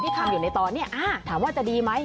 ทำอยู่ในตอนนี้ถามว่าจะดีไหม